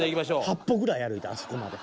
８歩ぐらい歩いたあそこまで。